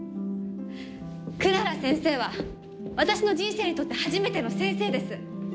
クララ先生は私の人生にとって初めての先生です。